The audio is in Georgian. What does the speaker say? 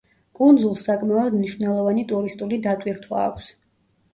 კუნძულს საკმაოდ მნიშვნელოვანი ტურისტული დატვირთვა აქვს.